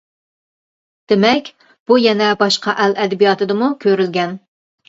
دېمەك، بۇ يەنە باشقا ئەل ئەدەبىياتىدىمۇ كۆرۈلگەن.